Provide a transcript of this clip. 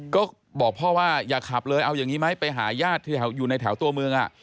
ก็บอกพ่อว่าอย่าขับเลยเอาอย่างนี้ไหมไปหาญาติที่อยู่ในแถวตัวเมือง